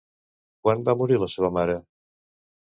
Quan va morir la seva mare?